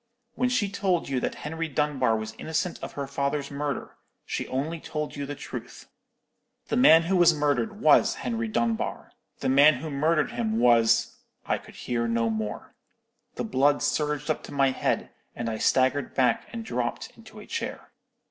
When she told you that Henry Dunbar was innocent of her father's murder, she only told you the truth. The man who was murdered was Henry Dunbar; the man who murdered him was——' "I could hear no more. The blood surged up to my head, and I staggered back and dropped into a chair.